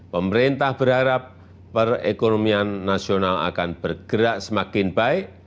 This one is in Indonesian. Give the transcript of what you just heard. pemerintah berharap perekonomian nasional akan bergerak semakin baik